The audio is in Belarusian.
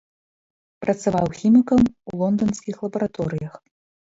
Працаваў хімікам у лонданскіх лабараторыях.